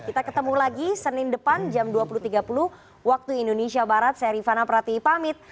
kita ketemu lagi senin depan jam dua puluh tiga puluh waktu indonesia barat saya rifana prati pamit